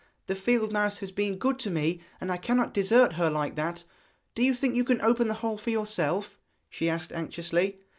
'The field mouse has been good to me, and I cannot desert her like that. Do you think you can open the hole for yourself?' she asked anxiously.